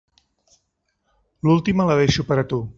L'última la deixo per a tu.